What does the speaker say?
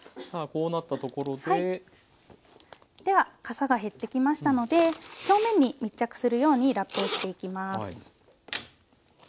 ではかさが減ってきましたので表面に密着するようにラップをしていきます。